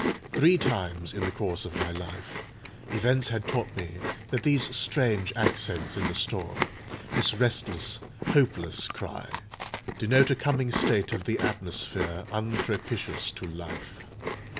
Three times in the course of my life, events had taught me that these strange accents in the storm—this restless, hopeless cry—denote a coming state of the atmosphere unpropitious to life.